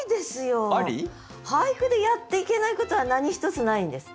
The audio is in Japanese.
俳句でやっていけないことは何一つないんです。